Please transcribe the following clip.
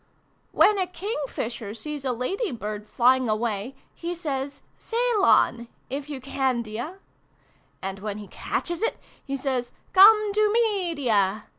" When a King fisher sees a Lady bird flying away, he says ' Ceylon, if you Candia /' And when he catches it, he says ' Come to Media